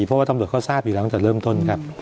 เพราะว่าตำรวจเขาทราบอยู่แล้วตั้งแต่เริ่มต้นครับ